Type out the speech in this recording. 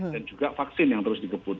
dan juga vaksin yang terus dikebut